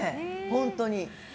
本当に。